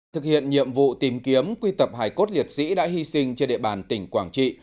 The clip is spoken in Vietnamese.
thực hiện nhiệm vụ tìm kiếm quy tập hải cốt liệt sĩ đã hy sinh trên địa bàn tỉnh quảng trị